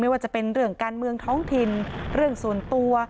ว่าจะเป็นเรื่องการเมืองท้องถิ่นเรื่องส่วนตัว